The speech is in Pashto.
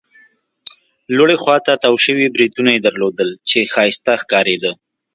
لوړې خوا ته تاو شوي بریتونه يې درلودل، چې ښایسته ښکارېده.